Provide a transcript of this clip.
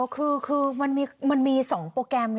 คุณคุณมันมี๒โปรแกรม